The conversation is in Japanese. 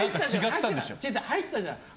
入ったんじゃない。